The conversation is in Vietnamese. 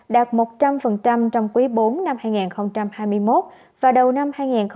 đạt một trăm linh trong quý bốn năm hai nghìn hai mươi một và đầu năm hai nghìn hai mươi năm